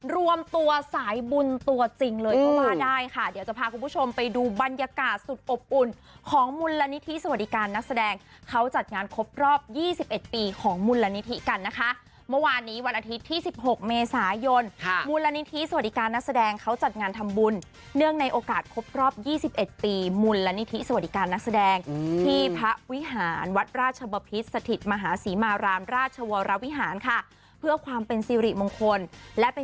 รวมตัวสายบุญตัวจริงเลยเพราะว่าได้ค่ะเดี๋ยวจะพาคุณผู้ชมไปดูบรรยากาศสุดอบอุ่นของมุลนิธิสวัสดิการนักแสดงเขาจัดงานครบครอบ๒๑ปีของมุลนิธิกันนะคะเมื่อวานนี้วันอาทิตย์ที่๑๖เมษายนมุลนิธิสวัสดิการนักแสดงเขาจัดงานทำบุญเนื่องในโอกาสครบครอบ๒๑ปีมุลนิธิสวัสดิการนักแส